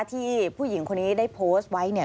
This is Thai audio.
ที่ผู้หญิงคนนี้ได้โพสต์ไว้เนี่ย